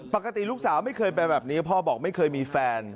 ปกติลูกสาวไม่เคยไปแบบนี้พ่อบอกไม่เคยมีแฟน